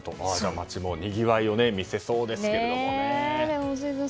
街もにぎわいを見せそうですけどね。